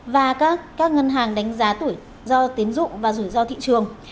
và các ngân hàng đánh giá tuổi do tiến dụng và rủi ro thị trường